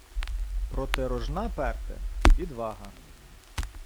Проти рожна перти — відвага